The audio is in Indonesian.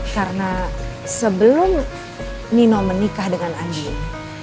karena sebelum nino menikah dengan andin